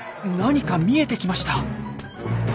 何か見えてきました。